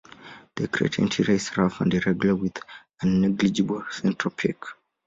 The crater interior is rough and irregular, with a negligible central peak.